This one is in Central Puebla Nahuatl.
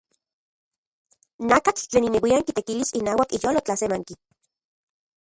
Nakatl tlen ineuian kitekilis inauak iyolo tlasemanki.